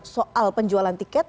soal penjualan tiket